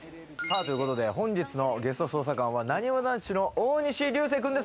本日のゲスト捜査官は、なにわ男子の大西流星くんです。